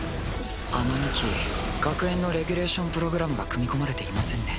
あの２機学園のレギュレーションプログラムが組み込まれていませんね。